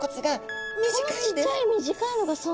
このちっちゃい短いのがそうなんですね。